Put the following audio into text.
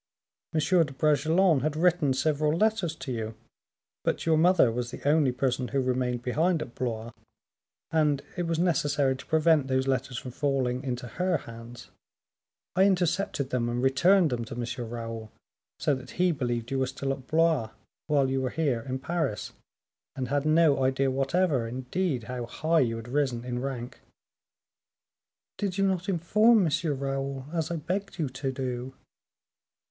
M. de Bragelonne had written several letters to you, but your mother was the only person who remained behind at Blois, and it was necessary to prevent these letters from falling into her hands; I intercepted them, and returned them to M. Raoul, so that he believed you were still at Blois while you were here in Paris, and had no idea whatever, indeed, how high you had risen in rank." "Did you not inform M. Raoul, as I begged you to do?"